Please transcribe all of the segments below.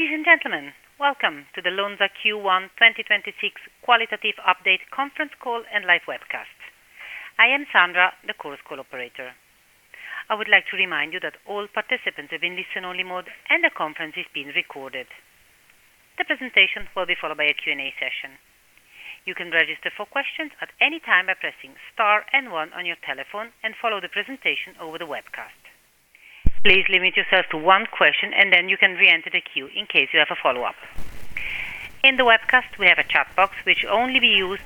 Ladies and gentlemen, welcome to the Lonza Q1 2026 qualitative update conference call and live webcast. I am Sandra, the Chorus Call operator. I would like to remind you that all participants have been listen-only mode and the conference is being recorded. The presentation will be followed by a Q&A session. You can register for questions at any time by pressing star and one on your telephone and follow the presentation over the webcast. Please limit yourself to one question, and then you can re-enter the queue in case you have a follow-up. In the webcast, we have a chat box which only be used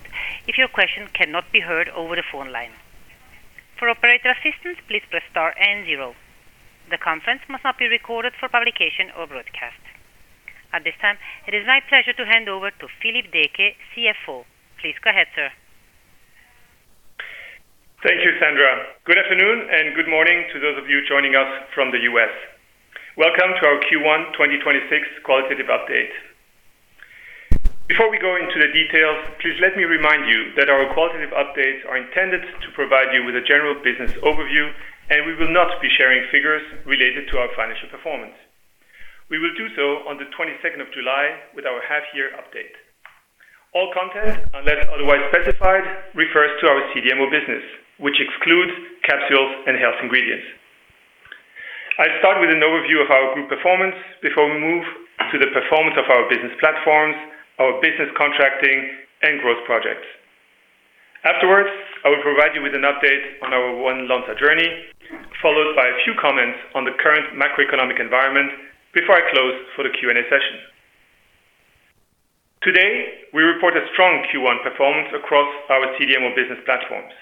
if your question cannot be heard over the phone line. For operator assistance, please press star and zero. The conference must not be recorded for publication or broadcast. At this time, it is my pleasure to hand over to Philippe Deecke, CFO. Please go ahead, sir. Thank you, Sandra. Good afternoon. Good morning to those of you joining us from the U.S. Welcome to our Q1 2026 qualitative update. Before we go into the details, please let me remind you that our qualitative updates are intended to provide you with a general business overview. We will not be sharing figures related to our financial performance. We will do so on the 22nd of July with our half-year update. All content, unless otherwise specified, refers to our CDMO business, which excludes Capsules & Health Ingredients. I start with an overview of our group performance before we move to the performance of our business platforms, our business contracting and growth projects. Afterwards, I will provide you with an update on our One Lonza journey, followed by a few comments on the current macroeconomic environment before I close for the Q&A session. Today, we report a strong Q1 performance across our CDMO business platforms,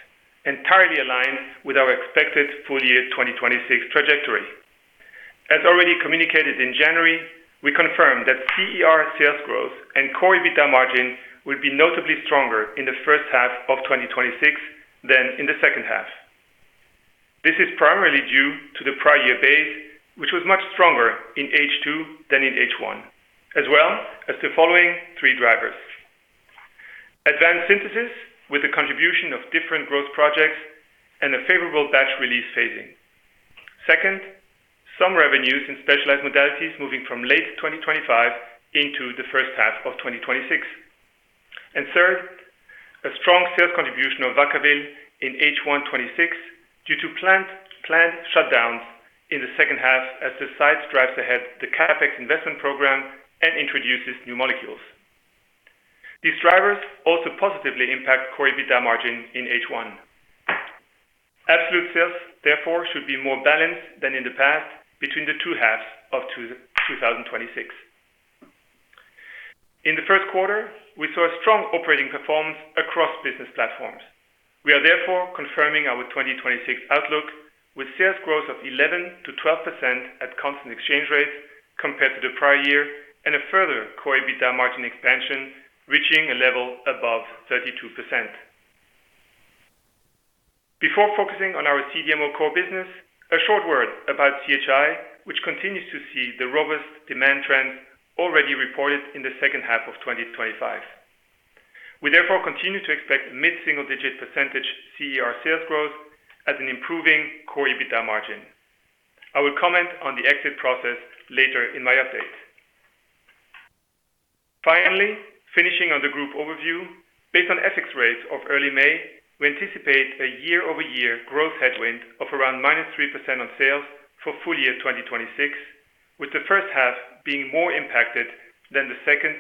entirely aligned with our expected full-year 2026 trajectory. As already communicated in January, we confirm that CER sales growth and CORE EBITDA margin will be notably stronger in the first half of 2026 than in the second half. This is primarily due to the prior-year base, which was much stronger in H2 than in H1, as well as the following three drivers. Advanced Synthesis with the contribution of different growth projects and a favorable batch release phasing. Second, some revenues in Specialized Modalities moving from late 2025 into the first half of 2026. Third, a strong sales contribution of Vacaville in H1 2026 due to planned shutdowns in the second half as the site drives ahead the CapEx investment program and introduces new molecules. These drivers also positively impact CORE EBITDA margin in H1. Absolute sales, therefore, should be more balanced than in the past between the two halves of 2026. In the first quarter, we saw a strong operating performance across business platforms. We are therefore confirming our 2026 outlook with sales growth of 11%-12% at constant exchange rates compared to the prior year and a further CORE EBITDA margin expansion, reaching a level above 32%. Before focusing on our CDMO core business, a short word about CHI, which continues to see the robust demand trends already reported in the second half of 2025. We therefore continue to expect mid-single-digit percentage CER sales growth as an improving CORE EBITDA margin. I will comment on the exit process later in my update. Finally, finishing on the group overview, based on FX rates of early May, we anticipate a year-over-year growth headwind of around -3% on sales for full-year 2026, with the first half being more impacted than the second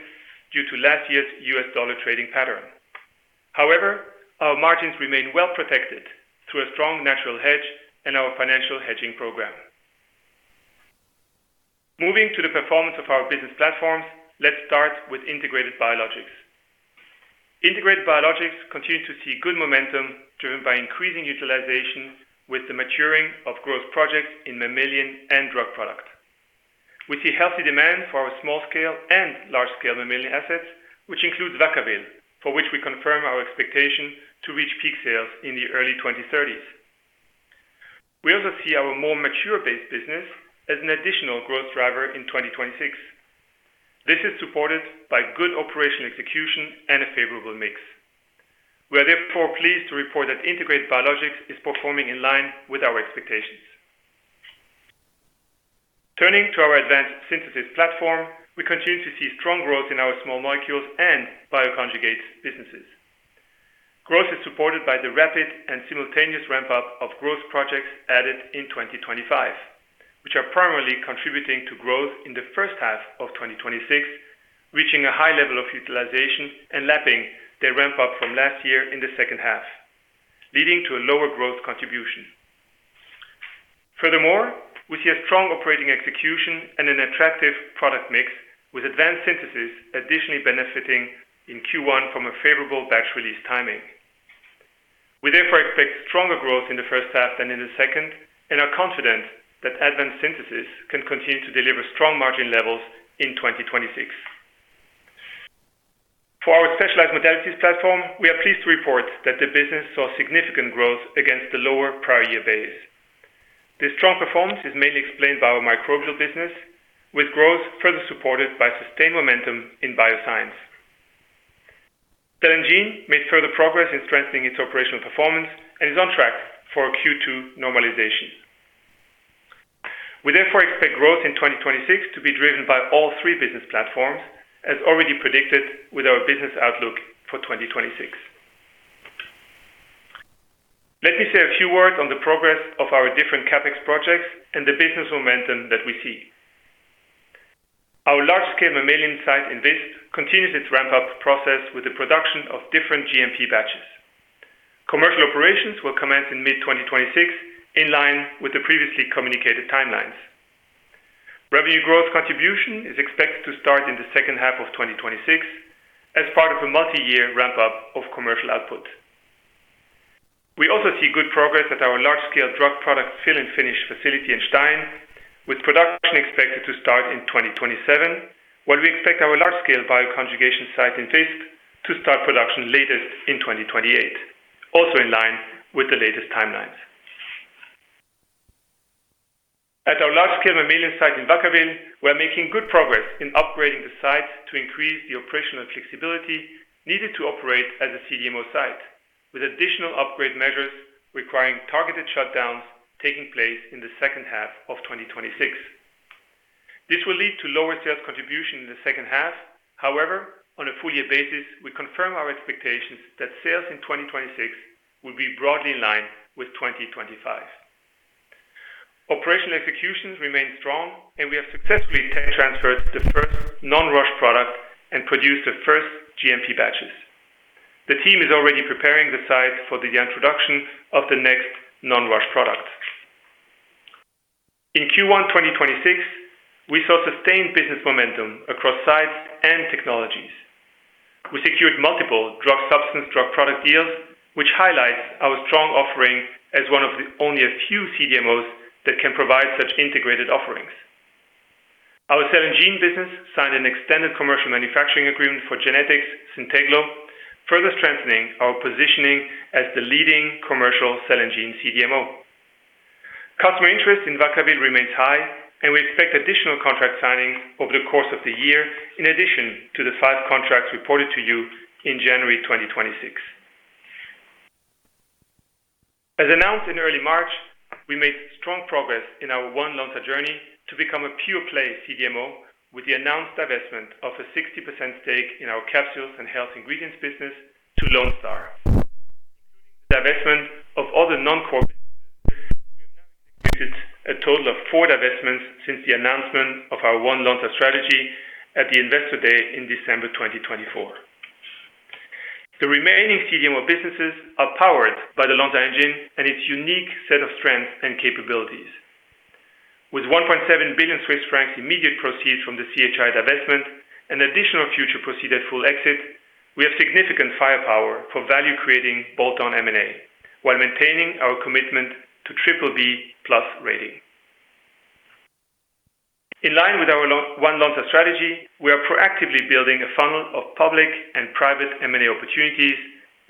due to last year's U.S. dollar trading pattern. Our margins remain well protected through a strong natural hedge and our financial hedging program. Moving to the performance of our business platforms, let's start with Integrated Biologics. Integrated Biologics continue to see good momentum driven by increasing utilization with the maturing of growth projects in mammalian and drug product. We see healthy demand for our small-scale and large-scale mammalian assets, which includes Vacaville, for which we confirm our expectation to reach peak sales in the early 2030s. We also see our more mature-based business as an additional growth driver in 2026. This is supported by good operational execution and a favorable mix. We are therefore pleased to report that Integrated Biologics is performing in line with our expectations. Turning to our Advanced Synthesis platform, we continue to see strong growth in our Small Molecules and Bioconjugates businesses. Growth is supported by the rapid and simultaneous ramp-up of growth projects added in 2025, which are primarily contributing to growth in the first half of 2026, reaching a high level of utilization and lapping their ramp-up from last year in the second half, leading to a lower growth contribution. Furthermore, we see a strong operating execution and an attractive product mix with Advanced Synthesis additionally benefiting in Q1 from a favorable batch release timing. We therefore expect stronger growth in the first half than in the second and are confident that Advanced Synthesis can continue to deliver strong margin levels in 2026. For our Specialized Modalities platform, we are pleased to report that the business saw significant growth against the lower prior-year base. This strong performance is mainly explained by our Microbial business, with growth further supported by sustained momentum in Bioscience. Cell & Gene made further progress in strengthening its operational performance and is on track for a Q2 normalization. We therefore expect growth in 2026 to be driven by all three business platforms, as already predicted with our business outlook for 2026. Let me say a few words on the progress of our different CapEx projects and the business momentum that we see. Our large-scale mammalian site in Visp continues its ramp-up process with the production of different GMP batches. Commercial operations will commence in mid-2026, in line with the previously communicated timelines. Revenue growth contribution is expected to start in the second half of 2026 as part of a multi-year ramp-up of commercial output. We also see good progress at our large-scale drug product fill and finish facility in Stein, with production expected to start in 2027, while we expect our large-scale bioconjugation site in Visp to start production latest in 2028, also in line with the latest timelines. At our large-scale mammalian site in Vacaville, we're making good progress in upgrading the site to increase the operational flexibility needed to operate as a CDMO site, with additional upgrade measures requiring targeted shutdowns taking place in the second half of 2026. This will lead to lower sales contribution in the second half. However, on a full-year basis, we confirm our expectations that sales in 2026 will be broadly in line with 2025. Operational executions remain strong, and we have successfully tech transferred the first non-Roche product and produced the first GMP batches. The team is already preparing the site for the introduction of the next non-Roche product. In Q1 2026, we saw sustained business momentum across sites and technologies. We secured multiple drug substance, drug product deals, which highlights our strong offering as one of the only a few CDMOs that can provide such integrated offerings. Our Cell & Gene business signed an extended commercial manufacturing agreement for Genetix's ZYNTEGLO, further strengthening our positioning as the leading commercial Cell & Gene CDMO. Customer interest in Vacaville remains high, and we expect additional contract signing over the course of the year in addition to the five contracts reported to you in January 2026. As announced in early March, we made strong progress in our One Lonza journey to become a pure-play CDMO with the announced divestment of a 60% stake in our Capsules & Health Ingredients business to Lone Star. Divestment of other non-core [inaudible] a total of four divestments since the announcement of our One Lonza strategy at the Investor Day in December 2024. The remaining CDMO businesses are powered by the Lonza Engine and its unique set of strengths and capabilities. With 1.7 billion Swiss francs immediate proceeds from the CHI divestment and additional future proceeds full exit, we have significant firepower for value creating bolt-on M&A while maintaining our commitment to BBB+ rating. In line with our One Lonza strategy, we are proactively building a funnel of public and private M&A opportunities.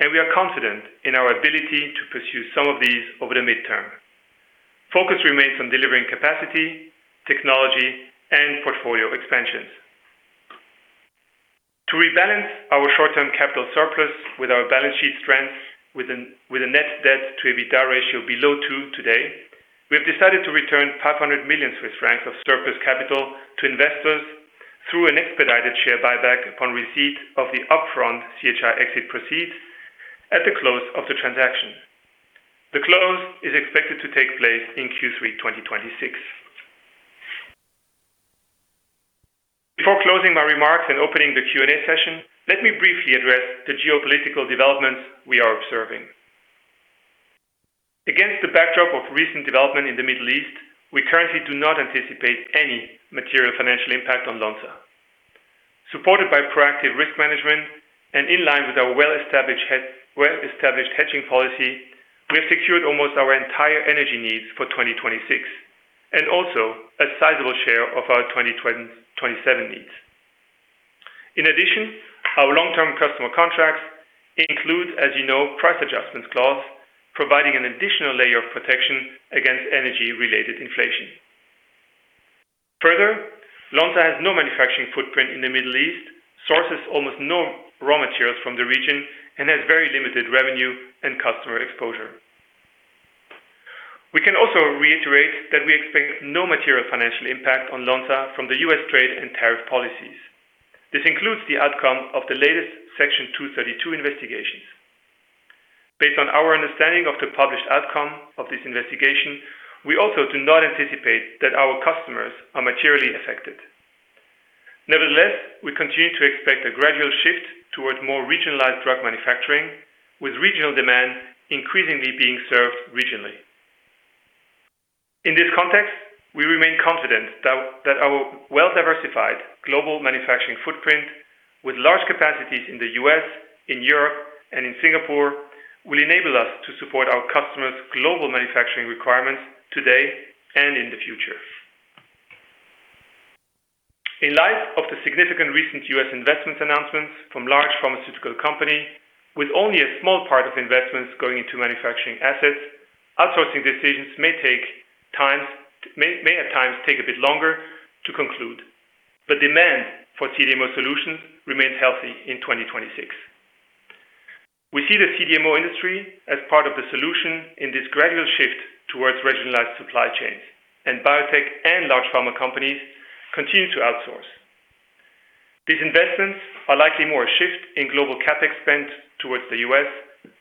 We are confident in our ability to pursue some of these over the midterm. Focus remains on delivering capacity, technology, and portfolio expansions. To rebalance our short-term capital surplus with our balance sheet strengths with a net debt-to-EBITDA ratio below 2 today, we have decided to return 500 million Swiss francs of surplus capital to investors through an expedited share buyback upon receipt of the upfront CHI exit proceeds at the close of the transaction. The close is expected to take place in Q3 2026. Before closing my remarks and opening the Q&A session, let me briefly address the geopolitical developments we are observing. Against the backdrop of recent development in the Middle East, we currently do not anticipate any material financial impact on Lonza. Supported by proactive risk management and in line with our well-established hedging policy, we have secured almost our entire energy needs for 2026 and also a sizable share of our 2027 needs. In addition, our long-term customer contracts include, as you know, price adjustments clause, providing an additional layer of protection against energy-related inflation. Further, Lonza has no manufacturing footprint in the Middle East, sources almost no raw materials from the region, and has very limited revenue and customer exposure. We can also reiterate that we expect no material financial impact on Lonza from the U.S. trade and tariff policies. This includes the outcome of the latest Section 232 investigations. Based on our understanding of the published outcome of this investigation, we also do not anticipate that our customers are materially affected. Nevertheless, we continue to expect a gradual shift towards more regionalized drug manufacturing, with regional demand increasingly being served regionally. In this context, we remain confident that our well-diversified global manufacturing footprint with large capacities in the U.S., in Europe, and in Singapore will enable us to support our customers' global manufacturing requirements today and in the future. In light of the significant recent U.S. investment announcements from large pharmaceutical company, with only a small part of investments going into manufacturing assets, outsourcing decisions may at times take a bit longer to conclude. The demand for CDMO solutions remained healthy in 2026. We see the CDMO industry as part of the solution in this gradual shift towards regionalized supply chains, and biotech and large pharma companies continue to outsource. These investments are likely more a shift in global CapEx spend towards the U.S.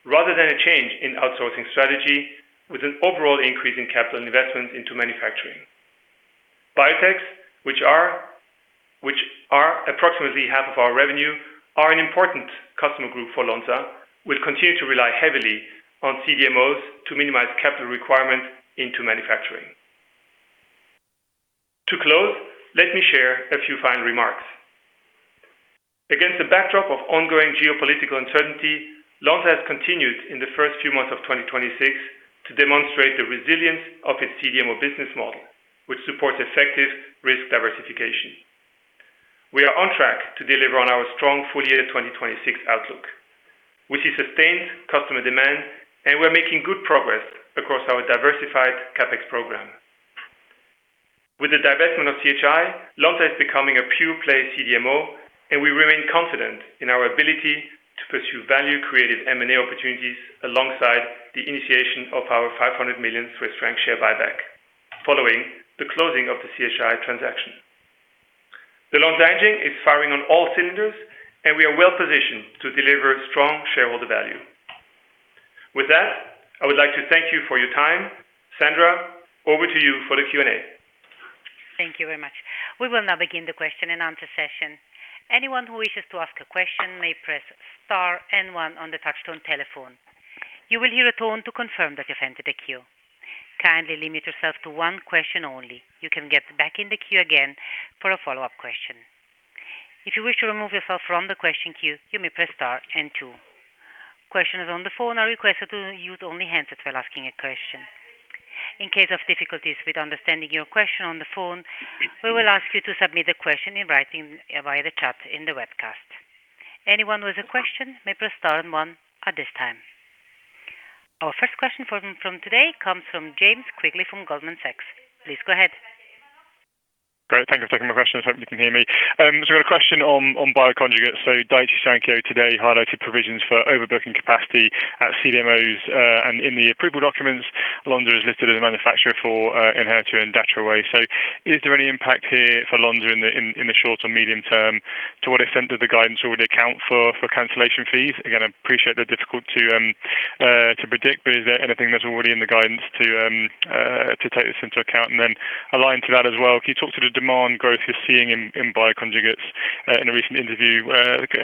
rather than a change in outsourcing strategy, with an overall increase in capital investments into manufacturing. Biotechs, which are approximately half of our revenue, are an important customer group for Lonza, will continue to rely heavily on CDMOs to minimize capital requirements into manufacturing. To close, let me share a few final remarks. Against the backdrop of ongoing geopolitical uncertainty, Lonza has continued in the first few months of 2026 to demonstrate the resilience of its CDMO business model, which supports effective risk diversification. We are on track to deliver on our strong full-year 2026 outlook, which is sustained customer demand. We are making good progress across our diversified CapEx program. With the divestment of CHI, Lonza is becoming a pure-play CDMO. We remain confident in our ability to pursue value-creative M&A opportunities alongside the initiation of our 500 million Swiss franc share buyback following the closing of the CHI transaction. The Lonza engine is firing on all cylinders. We are well positioned to deliver strong shareholder value. With that, I would like to thank you for your time. Sandra, over to you for the Q&A. Thank you very much. We will now begin the question-and-answer session. Anyone who wishes to ask a question may press star one on the touch-tone telephone. You will hear a tone to confirm that you've entered the queue. Kindly limit yourself to one question only. You can get back in the queue again for a follow-up question. If you wish to remove yourself from the question queue, you may press star two. Questions on the phone are requested to use only handset while asking a question. In case of difficulties with understanding your question on the phone, we will ask you to submit a question in writing via the chat in the webcast. Anyone with a question may press star one at this time. Our first question from today comes from James Quigley from Goldman Sachs. Please go ahead. Great. Thank you for taking my question. I hope you can hear me. I got a question on Bioconjugates. Daiichi Sankyo today highlighted provisions for overbooking capacity at CDMOs, and in the approval documents, Lonza is listed as a manufacturer for ENHERTU and DATROWAY. Is there any impact here for Lonza in the short or medium term? To what extent does the guidance already account for cancellation fees? Again, I appreciate they're difficult to predict, but is there anything that's already in the guidance to take this into account? Aligned to that as well, can you talk to the demand growth you're seeing in Bioconjugates? In a recent interview,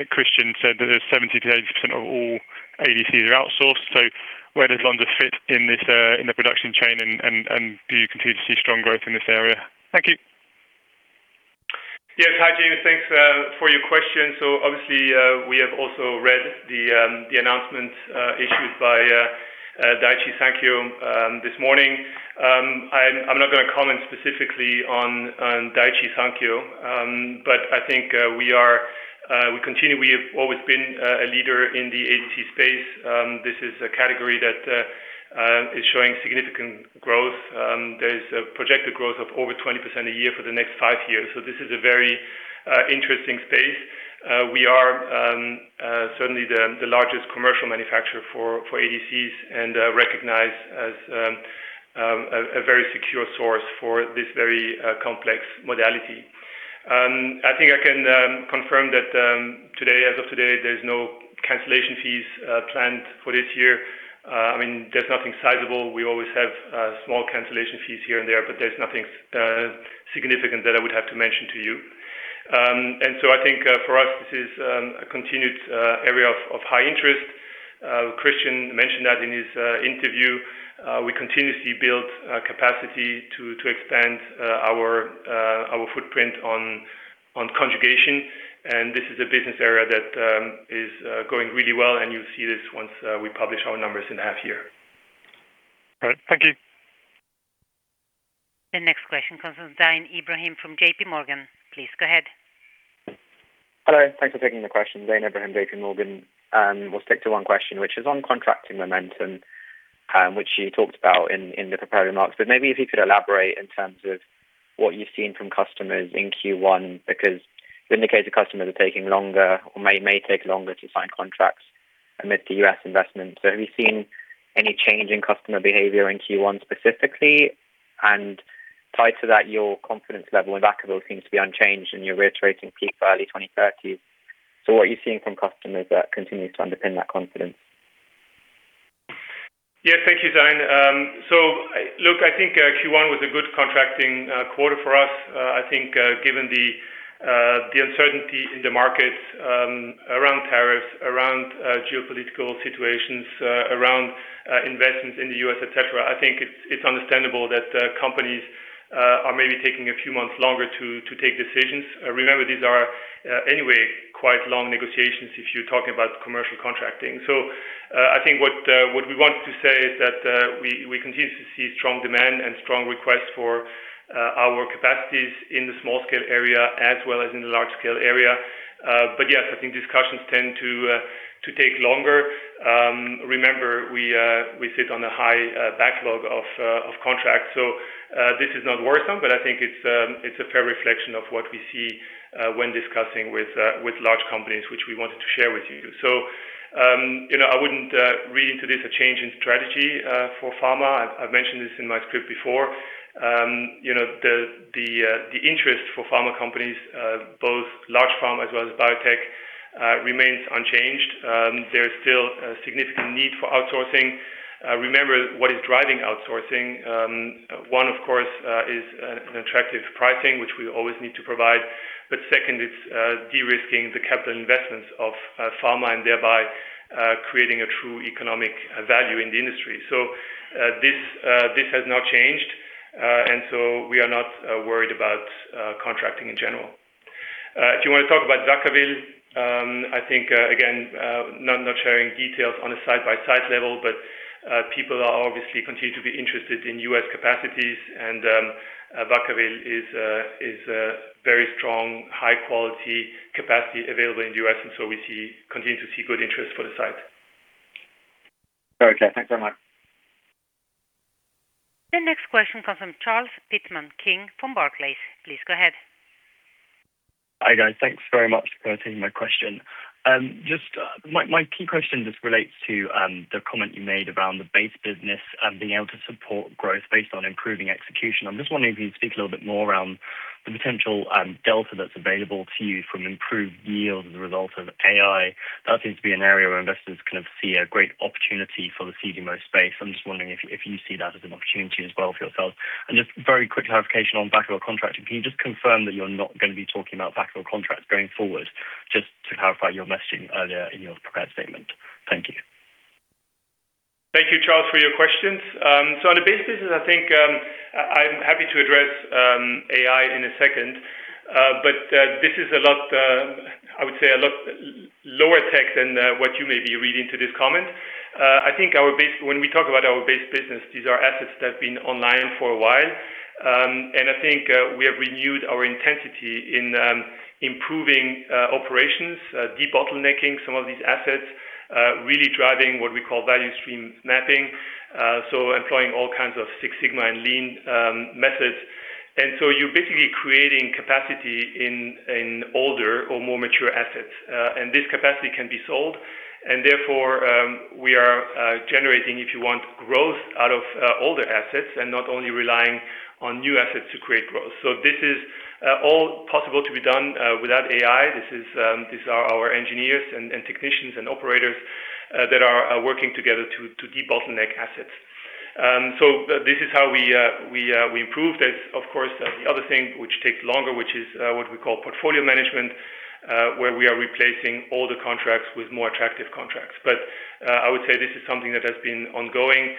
Christian said that 70%-80% of all ADCs are outsourced. Where does Lonza fit in this, in the production chain and do you continue to see strong growth in this area? Thank you. Yes. Hi, James. Thanks for your question. Obviously, we have also read the announcement issued by Daiichi Sankyo this morning. I'm not gonna comment specifically on Daiichi Sankyo. I think we have always been a leader in the ADC space. This is a category that is showing significant growth. There's a projected growth of over 20% a year for the next five years. This is a very interesting space. We are certainly the largest commercial manufacturer for ADCs and recognized as a very secure source for this very complex modality. I think I can confirm that today, as of today, there's no cancellation fees planned for this year. I mean, there's nothing sizable. We always have small cancellation fees here and there, but there's nothing significant that I would have to mention to you. I think for us, this is a continued area of high interest. Christian mentioned that in his interview. We continuously build capacity to expand our footprint on conjugation. This is a business area that is going really well, and you'll see this once we publish our numbers in half year. All right. Thank you. The next question comes from Zain Ebrahim from JPMorgan. Please go ahead. Hello. Thanks for taking the question. Zain Ebrahim, JPMorgan. We'll stick to one question, which is on contracting momentum, which you talked about in the prepared remarks. Maybe if you could elaborate in terms of what you've seen from customers in Q1, because you indicated customers are taking longer or may take longer to sign contracts amid the U.S. investment. Have you seen any change in customer behavior in Q1 specifically? Tied to that, your confidence level in Vacaville seems to be unchanged, and you're reiterating peak for early 2030. What are you seeing from customers that continues to underpin that confidence? Yes. Thank you, Zain. Look, I think Q1 was a good contracting quarter for us. I think given the uncertainty in the markets, around tariffs, around geopolitical situations, around investments in the U.S., et cetera, I think it's understandable that companies are maybe taking a few months longer to take decisions. Remember these are anyway, quite long negotiations if you're talking about commercial contracting. I think what we want to say is that we continue to see strong demand and strong request for our capacities in the small scale area as well as in the large scale area. Yes, I think discussions tend to take longer. Remember, we sit on a high backlog of contracts. This is not worrisome, but I think it's a fair reflection of what we see when discussing with large companies, which we wanted to share with you. You know, I wouldn't read into this a change in strategy for pharma. I've mentioned this in my script before. You know, the interest for pharma companies, both large pharma as well as biotech, remains unchanged. There is still a significant need for outsourcing. Remember what is driving outsourcing. One, of course, is an attractive pricing, which we always need to provide. Second, it's de-risking the capital investments of pharma and thereby creating a true economic value in the industry. This has not changed. We are not worried about contracting in general. Do you want to talk about Vacaville? I think again, not sharing details on a side-by-side level, but people are obviously continue to be interested in U.S. capacities and Vacaville is a very strong, high-quality capacity available in the U.S., we continue to see good interest for the site. Okay, thanks very much. The next question comes from Charles Pitman-King from Barclays. Please go ahead. Hi, guys. Thanks very much for taking my question. My key question just relates to the comment you made around the base business and being able to support growth based on improving execution. I'm just wondering if you could speak a little bit more around the potential delta that's available to you from improved yield as a result of AI. That seems to be an area where investors kind of see a great opportunity for the CDMO space. I'm just wondering if you see that as an opportunity as well for yourselves. Just very quick clarification on back of your contract. Can you just confirm that you're not gonna be talking about back of your contracts going forward just to clarify your messaging earlier in your prepared statement? Thank you. Thank you, Charles, for your questions. On the base business, I think I'm happy to address AI in a second. This is a lot, I would say a lot lower tech than what you may be reading to this comment. When we talk about our base business, these are assets that have been online for a while. I think we have renewed our intensity in improving operations, debottlenecking some of these assets, really driving what we call Value Stream Mapping. Employing all kinds of Six Sigma and Lean methods. You're basically creating capacity in older or more mature assets. This capacity can be sold, therefore, we are generating, if you want growth out of older assets and not only relying on new assets to create growth. This is all possible to be done without AI. These are our engineers and technicians and operators that are working together to debottleneck assets. This is how we improve. There's of course, the other thing which takes longer, which is what we call portfolio management, where we are replacing all the contracts with more attractive contracts. I would say this is something that has been ongoing,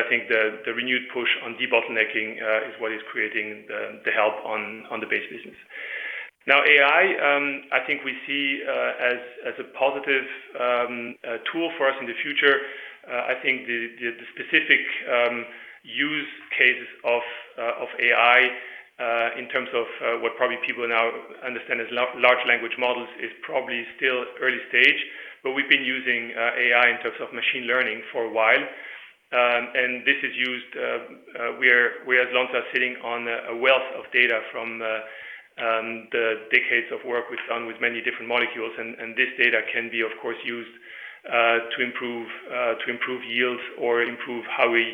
I think the renewed push on debottlenecking is what is creating the help on the base business. Now, AI, I think we see as a positive tool for us in the future. I think the specific use cases of AI in terms of what probably people now understand as large language models is probably still early stage. We've been using AI in terms of machine learning for a while. This is used, we are, we at Lonza are sitting on a wealth of data from the decades of work we've done with many different molecules. This data can be, of course, used to improve to improve yields or improve how we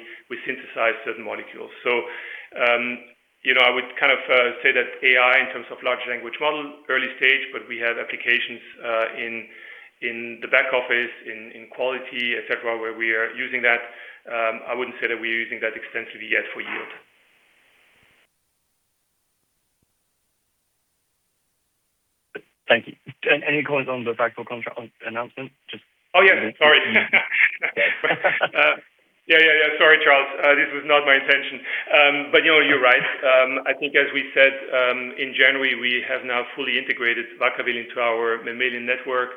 synthesize certain molecules. You know, I would kind of say that AI, in terms of large language model, early stage, but we have applications in the back office, in quality, et cetera, where we are using that. I wouldn't say that we're using that extensively yet for yield. Thank you. Any comments on the announcement? Oh, yeah. Sorry. Yeah. Yeah, yeah. Sorry, Charles. This was not my intention. You know, you're right. I think as we said, in January, we have now fully integrated Vacaville into our mammalian network.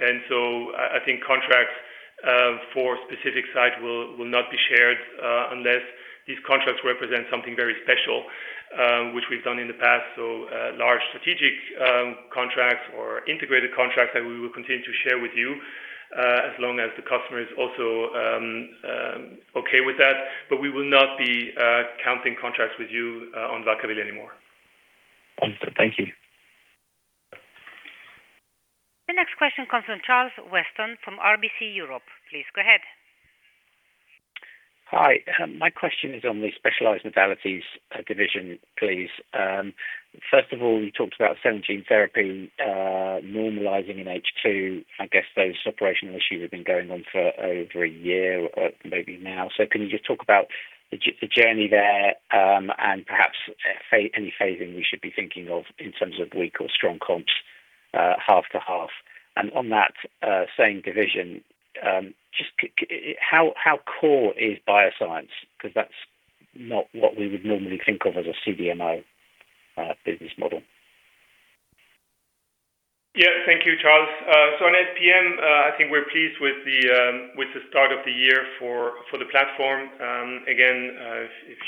I think contracts for specific sites will not be shared unless these contracts represent something very special, which we've done in the past. Large strategic contracts or integrated contracts that we will continue to share with you, as long as the customer is also okay with that. We will not be counting contracts with you on Vacaville anymore. Understood. Thank you. The next question comes from Charles Weston from RBC Europe. Please go ahead. Hi. My question is on the Specialized Modalities division, please. First of all, you talked about cell and gene therapy normalizing in H2. I guess those operational issues have been going on for over a year or maybe now. Can you just talk about the journey there, and perhaps any phasing we should be thinking of in terms of weak or strong comps half to half? On that same division, just how core is Bioscience? Because that's not what we would normally think of as a CDMO, business model. Thank you, Charles. On SPM, I think we're pleased with the start of the year for the platform. Again, if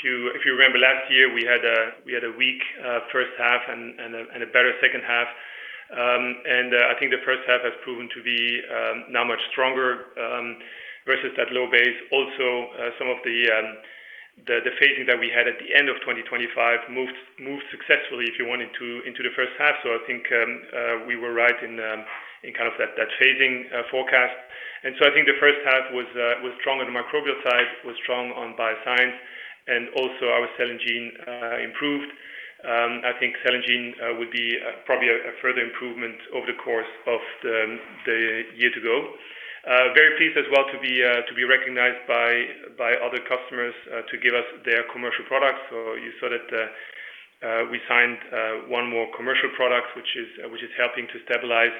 you remember last year, we had a weak first half and a better second half. I think the first half has proven to be now much stronger versus that low base. Also, some of the phasing that we had at the end of 2025 moved successfully, if you want, into the first half. I think we were right in kind of that phasing forecast. I think the first half was strong on the Microbial side, was strong on Bioscience, and also our Cell & Gene improved. I think Cell & Gene would be probably a further improvement over the course of the year to go. Very pleased as well to be recognized by other customers to give us their commercial products. You saw that we signed one more commercial product, which is helping to stabilize,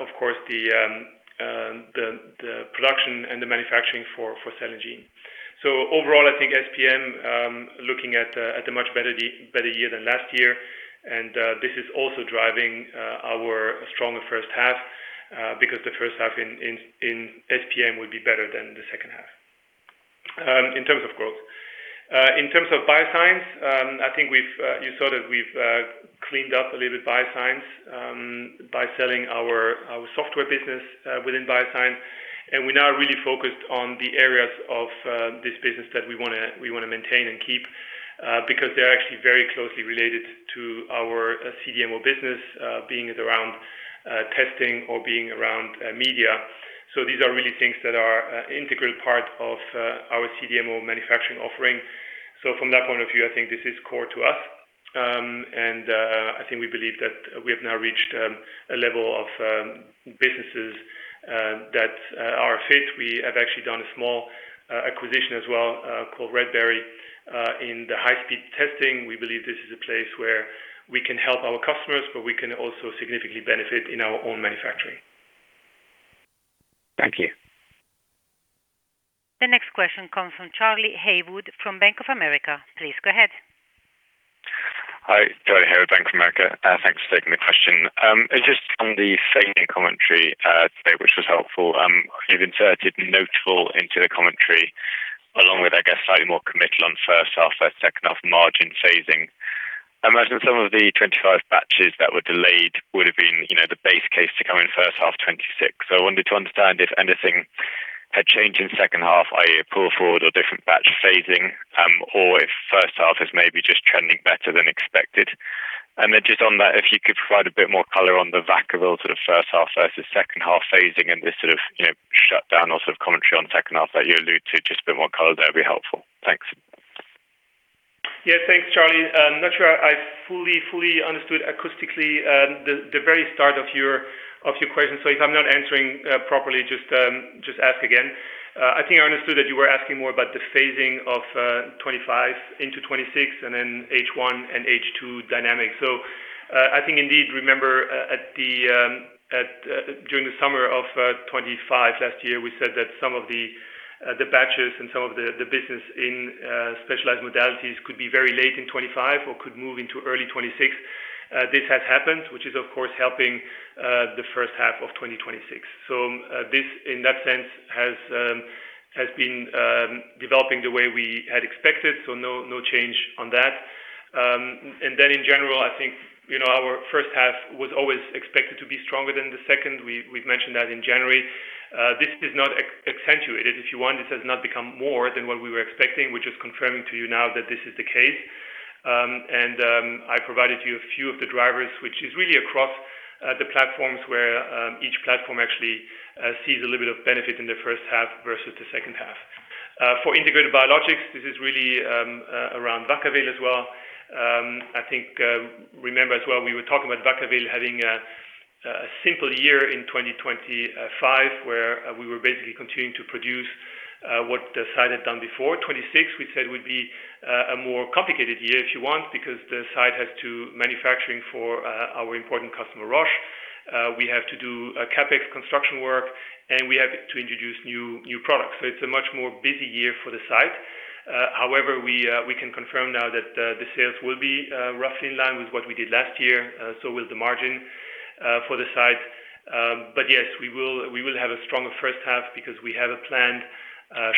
of course, the production and the manufacturing for Cell & Gene. Overall, I think SPM looking at a much better year than last year. This is also driving our stronger first half because the first half in SPM would be better than the second half in terms of growth. In terms of Bioscience, I think we've, you saw that we've cleaned up a little bit Bioscience by selling our software business within Bioscience. We're now really focused on the areas of this business that we wanna maintain and keep because they're actually very closely related to our CDMO business, being it around testing or being around media. These are really things that are an integral part of our CDMO manufacturing offering. From that point of view, I think this is core to us. I think we believe that we have now reached a level of businesses that are fit. We have actually done a small acquisition as well, called Redberry in the high-speed testing. We believe this is a place where we can help our customers, but we can also significantly benefit in our own manufacturing. Thank you. The next question comes from Charlie Haywood from Bank of America. Please go ahead. Hi, Charlie here with Bank of America. Thanks for taking the question. It's just on the same commentary today, which was helpful. You've inserted notable into the commentary along with, I guess, slightly more committed on first half versus second half margin phasing. I imagine some of the 2025 batches that were delayed would have been, you know, the base case to come in first half 2026. I wanted to understand if anything had changed in second half, i.e., pull-forward or different batch phasing, or if first half is maybe just trending better than expected. Just on that, if you could provide a bit more color on the Vacaville sort of first half versus second half phasing and this sort of, you know, shut down or sort of commentary on second half that you allude to, just a bit more color there would be helpful. Thanks. Thanks, Charlie. I'm not sure I fully understood acoustically the very start of your question. If I'm not answering properly, just ask again. I think I understood that you were asking more about the phasing of 2025 into 2026 and then H1 and H2 dynamics. I think indeed, remember, at the during the summer of 2025 last year, we said that some of the batches and some of the business in Specialized Modalities could be very late in 2025 or could move into early 2026. This has happened, which is of course helping the first half of 2026. This, in that sense, has been developing the way we had expected. No change on that. In general, I think, you know, our first half was always expected to be stronger than the second. We've mentioned that in January. This is not accentuated. If you want, this has not become more than what we were expecting. We're just confirming to you now that this is the case. I provided you a few of the drivers, which is really across the platforms where each platform actually sees a little bit of benefit in the first half versus the second half. For Integrated Biologics, this is really around Vacaville as well. Remember as well, we were talking about Vacaville having a simple year in 2025, where we were basically continuing to produce what the site had done before. 2026, we said, would be a more complicated year, if you want, because the site has to manufacturing for our important customer, Roche. We have to do a CapEx construction work, we have to introduce new products. It's a much more busy year for the site. However, we can confirm now that the sales will be roughly in line with what we did last year. Will the margin for the site. Yes, we will have a stronger first half because we have a planned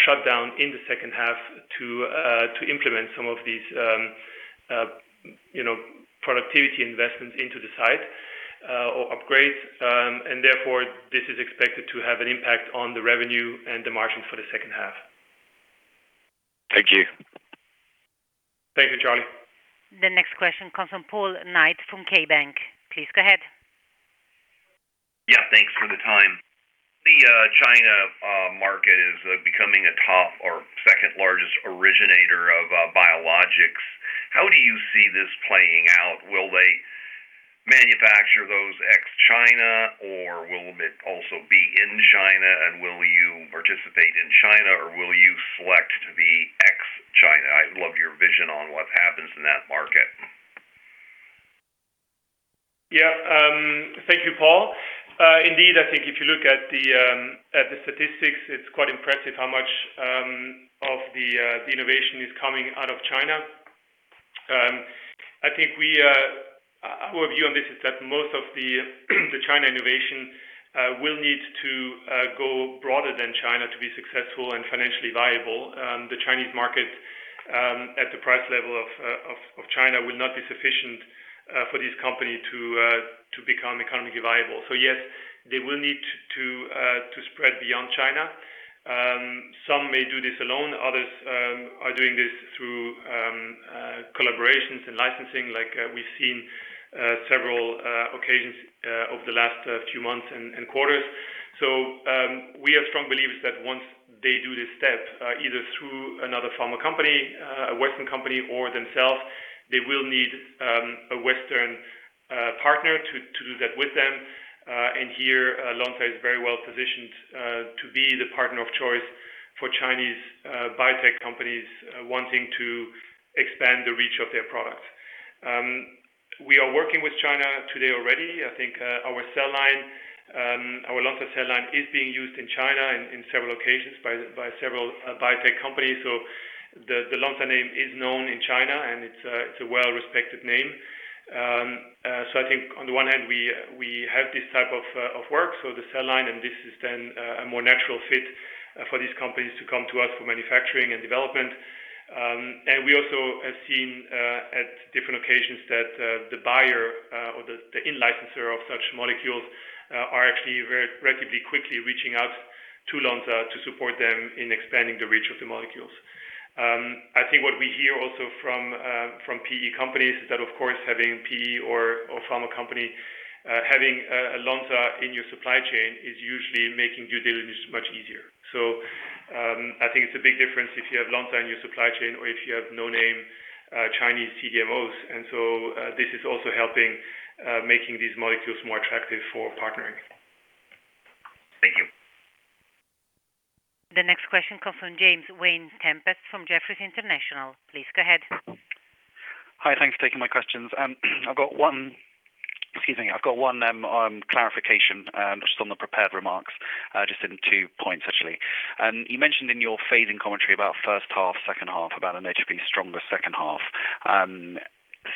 shutdown in the second half to implement some of these, you know, productivity investments into the site or upgrades. Therefore, this is expected to have an impact on the revenue and the margins for the second half. Thank you. Thank you, Charlie. The next question comes from Paul Knight from KeyBanc. Please go ahead. Yeah. Thanks for the time. The China market is becoming a top or second-largest originator of biologics. How do you see this playing out? Will they manufacture those ex-China or will it also be in China, and will you participate in China, or will you select the ex-China? I'd love your vision on what happens in that market. Yeah. Thank you, Paul. Indeed, I think if you look at the statistics, it's quite impressive how much of the innovation is coming out of China. I think we, our view on this is that most of the China innovation will need to go broader than China to be successful and financially viable. The Chinese market, at the price level of China will not be sufficient for this company to become economically viable. Yes, they will need to spread beyond China. Some may do this alone. Others are doing this through collaborations and licensing like we've seen several occasions over the last few months and quarters. We are strong believers that once they do this step, either through another pharma company, a Western company or themselves, they will need a Western partner to do that with them. Here, Lonza is very well-positioned to be the partner of choice for Chinese biotech companies wanting to expand the reach of their products. We are working with China today already. I think our cell line, our Lonza cell line is being used in China in several occasions by several biotech companies. The Lonza name is known in China, and it's a well-respected name. I think on the one hand, we have this type of work, so the cell line, and this is then a more natural fit for these companies to come to us for manufacturing and development. We also have seen at different occasions that the buyer or the in-licenser of such molecules are actually very relatively quickly reaching out to Lonza to support them in expanding the reach of the molecules. I think what we hear also from PE companies is that, of course, having PE or pharma company having a Lonza in your supply chain is usually making due diligence much easier. I think it's a big difference if you have Lonza in your supply chain or if you have no-name Chinese CDMOs. This is also helping, making these molecules more attractive for partnering. Thank you. The next question comes from James Vane-Tempest from Jefferies International. Please go ahead. Hi. Thanks for taking my questions. I've got one clarification just on the prepared remarks, just in two points. You mentioned in your phasing commentary about first half, second half, about an [HP] stronger second half,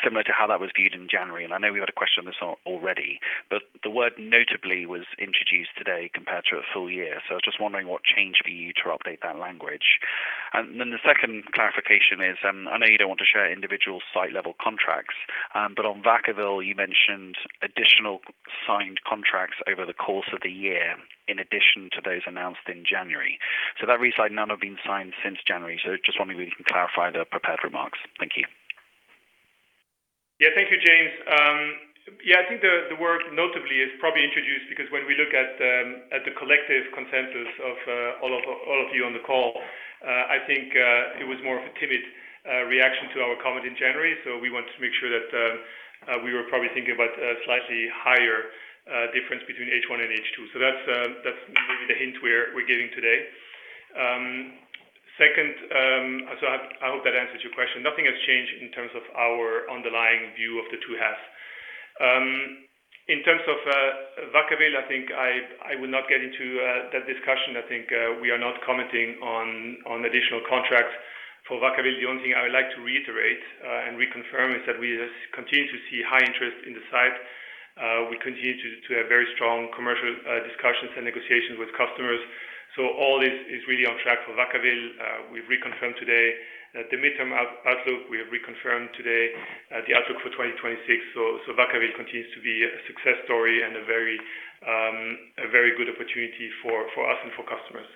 similar to how that was viewed in January. I know we had a question on this already, but the word notably was introduced today compared to a full year. I was just wondering what changed for you to update that language. The second clarification is, I know you don't want to share individual site-level contracts, but on Vacaville, you mentioned additional signed contracts over the course of the year, in addition to those announced in January. [That reside] none have been signed since January. Just wondering if you can clarify the prepared remarks. Thank you. Thank you, James. I think the word notably is probably introduced because when we look at the collective consensus of all of you on the call, I think it was more of a timid reaction to our comment in January. We want to make sure that we were probably thinking about a slightly higher difference between H1 and H2. That's maybe the hint we're giving today. Second, I hope that answers your question. Nothing has changed in terms of our underlying view of the two halves. In terms of Vacaville, I think I will not get into that discussion. I think we are not commenting on additional contracts for Vacaville. The only thing I would like to reiterate and reconfirm is that we continue to see high interest in the site. We continue to have very strong commercial discussions and negotiations with customers. All is really on track for Vacaville. We've reconfirmed today the midterm outlook. We have reconfirmed today the outlook for 2026. Vacaville continues to be a success story and a very good opportunity for us and for customers.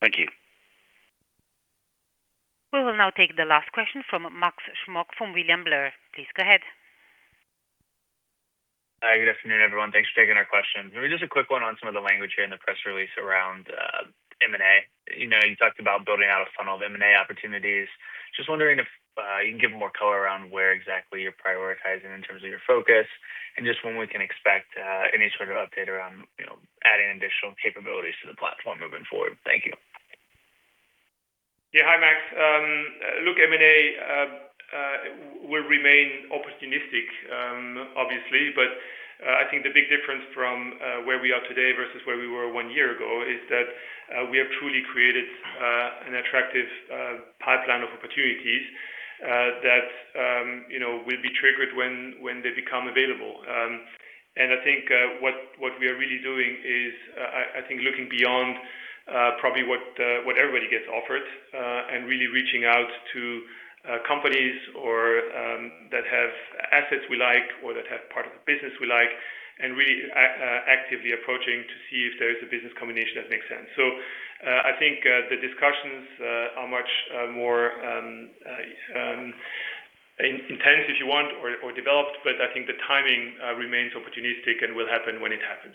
Thank you. We will now take the last question from Max Smock from William Blair. Please go ahead. Hi, good afternoon, everyone. Thanks for taking our questions. Maybe just a quick one on some of the language here in the press release around M&A. You know, you talked about building out a funnel of M&A opportunities. Just wondering if you can give more color around where exactly you're prioritizing in terms of your focus and just when we can expect any sort of update around, you know, adding additional capabilities to the platform moving forward. Thank you. Yeah. Hi, Max. Look, M&A will remain opportunistic, obviously. I think the big difference from where we are today versus where we were one year ago is that we have truly created an attractive pipeline of opportunities that, you know, will be triggered when they become available. I think what we are really doing is I think looking beyond probably what everybody gets offered, and really reaching out to companies or that have assets we like or that have part of the business we like, and really actively approaching to see if there is a business combination that makes sense. I think the discussions are much more intense if you want or developed, but I think the timing remains opportunistic and will happen when it happens.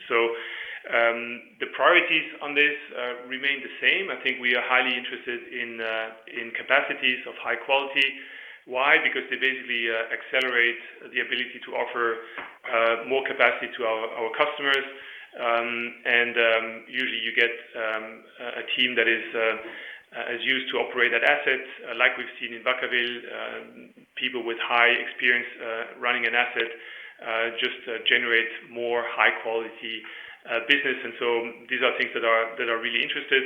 The priorities on this remain the same. I think we are highly interested in capacities of high quality. Why? Because they basically accelerate the ability to offer more capacity to our customers. Usually you get a team that is used to operate that asset, like we've seen in Vacaville. People with high experience running an asset just generate more high quality business. These are things that are really interesting.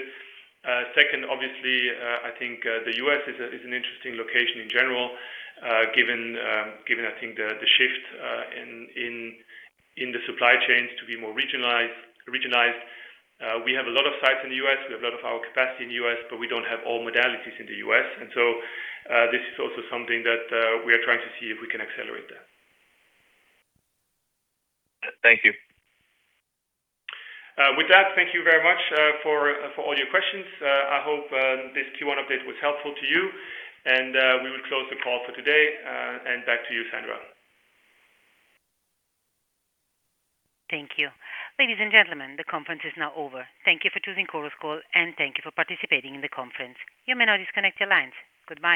Second, obviously, I think the U.S. is an interesting location in general, given, I think the shift in the supply chains to be more regionalized. We have a lot of sites in the U.S., we have a lot of our capacity in the U.S., but we don't have all modalities in the U.S. This is also something that we are trying to see if we can accelerate that. Thank you. With that, thank you very much for all your questions. I hope this Q1 update was helpful to you, and we will close the call for today, and back to you, Sandra. Thank you. Ladies and gentlemen, the conference is now over. Thank you for choosing Chorus Call, and thank you for participating in the conference. You may now disconnect your lines. Goodbye.